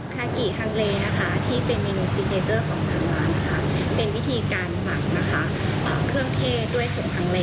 คากิตุ๋นฮังเลที่เป็นเมนูซีเทเจอร์ของทางร้านเป็นวิธีการหลักเครื่องเทศด้วยส่วนฮังเล